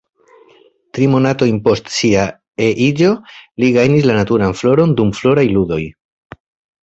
Tri monatojn post sia E-iĝo li gajnis la naturan floron dum Floraj Ludoj.